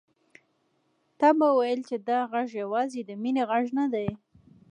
تا به ويل چې دا غږ يوازې د مينې غږ نه دی.